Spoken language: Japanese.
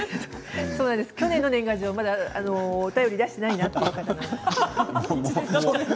去年の年賀状まだお便りを出していないなって。